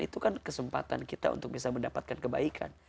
itu kan kesempatan kita untuk bisa mendapatkan kebaikan